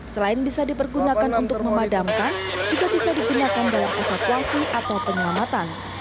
selain bisa dipergunakan untuk memadamkan juga bisa digunakan dalam evakuasi atau penyelamatan